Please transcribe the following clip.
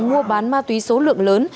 mua bán ma túy số lượng lớn